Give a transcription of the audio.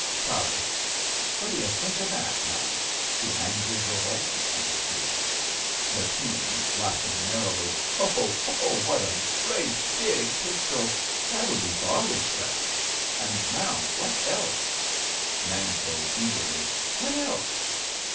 Tarrasch. What d' you think Of that now ? {He hangs his revolver on the tree.) Bettine (laughing merrily). Oh ! Oh ! What a great big pistol ! That'll be father's present! And now what elseV Nanko (eagerly). What else?